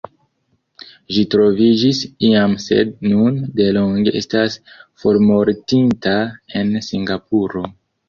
Ĝi troviĝis iam sed nun delonge estas formortinta en Singapuro.